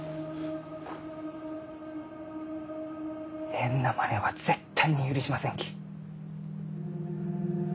変なマネは絶対に許しませんき。